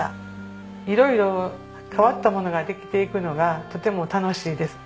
色々変わった物ができていくのがとても楽しいです。